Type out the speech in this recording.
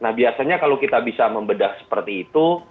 nah biasanya kalau kita bisa membedah seperti itu